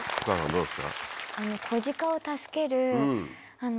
どうですか？